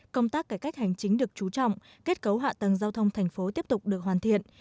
công tác cải cách hành chính được trú trọng kết cấu hạ tầng giao thông thành phố tiếp tục được hoàn thiện